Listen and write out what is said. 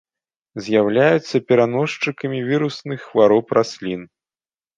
З'яўляюцца пераносчыкамі вірусных хвароб раслін.